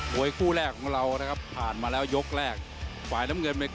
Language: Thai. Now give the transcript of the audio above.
เป็นกลายขยับต่อความหวัดแทมนกเต้าความอย่างต่อได้ครับ